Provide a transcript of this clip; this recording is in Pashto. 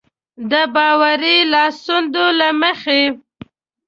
د باوري لاسوندو له مخې.